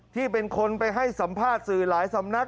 ที่เป็นคนไปให้สัมภาษณ์สื่อหลายสำนัก